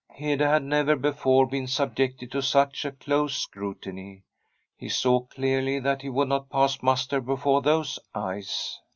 Hede had never before been subjected to such close scrutiny. He saw clearly that he would not pass muster before those eyes.